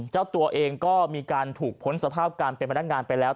เจ้าตัวเองก็มีการถูกพ้นสภาพการเป็นพนักงานไปแล้ว